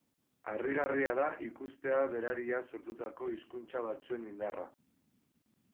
Harrigarria da ikustea berariaz sortutako hizkuntza batzuen indarra.